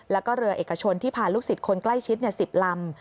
แล้วก็เรือเอกชนที่พาลูกศิษย์คนใกล้ชิด๑๐ลำ